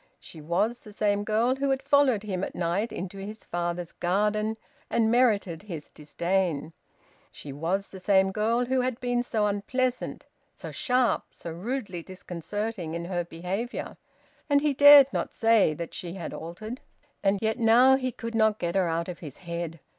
She was the same girl who had followed him at night into his father's garden and merited his disdain. She was the same girl who had been so unpleasant, so sharp, so rudely disconcerting in her behaviour. And he dared not say that she had altered. And yet now he could not get her out of his head.